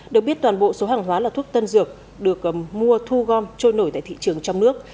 được biết toàn bộ số hàng hóa là thuốc tân dược được mua thu gom trôi nổi tại thị trường trong nước